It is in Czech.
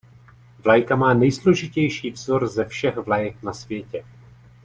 Vlajka má nejsložitější vzor ze všech vlajek na světě.